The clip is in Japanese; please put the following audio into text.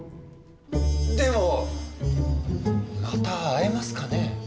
でもまた会えますかね？